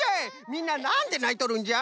みんななんでないとるんじゃ？